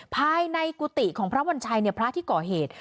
ภายในกุฏิของพระวัญชัยพระที่ก่อเหตุ